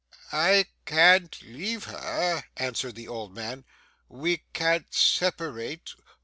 'I can't leave her,' answered the old man. 'We can't separate.